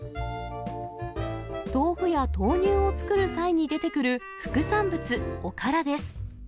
豆腐や豆乳を作る際に出てくる副産物、おからです。